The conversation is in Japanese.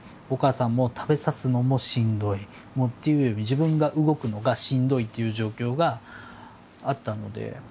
お母さんも食べさすのもしんどい。っていうより自分が動くのがしんどいっていう状況があったので。